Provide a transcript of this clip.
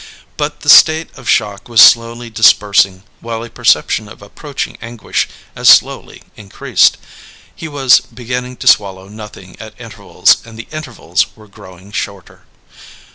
But the state of shock was slowly dispersing, while a perception of approaching anguish as slowly increased. He was beginning to swallow nothing at intervals and the intervals were growing shorter.